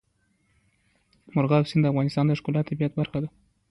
مورغاب سیند د افغانستان د ښکلي طبیعت برخه ده.